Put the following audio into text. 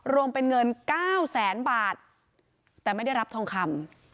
รวมเป็นเงินเก้าแสนบาทแต่ไม่ได้รับทองคำ